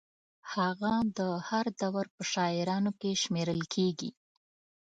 هغه د هر دور په شاعرانو کې شمېرل کېږي.